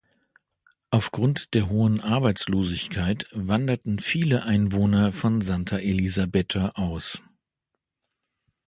Aufgrund der hohen Arbeitslosigkeit wanderten viele Einwohner von Santa Elisabetta aus.